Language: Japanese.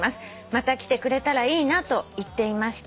「また来てくれたらいいなと言っていました」